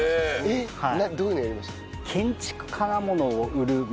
えっどういうのやりました？